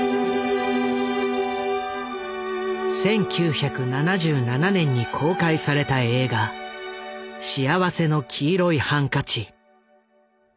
１９７７年に公開された映画「幸福の黄色いハンカチ」。